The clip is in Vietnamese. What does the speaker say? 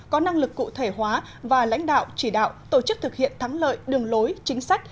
có năng lực cụ thể hóa và lãnh đạo chỉ đạo tổ chức thực hiện thắng lợi đường lối chính sách